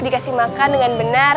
dikasih makan dengan benar